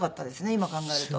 今考えると。